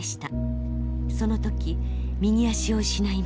その時右足を失いました。